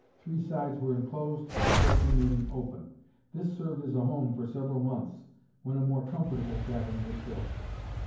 Three sides were enclosed, the fourth remaining open. This served as a home for several months, when a more comfortable cabin was built.